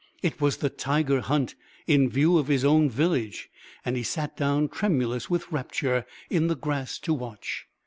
It was the tiger hunt, in view of his own village, and he sat down, tremulous with rapture, in the grass to watch.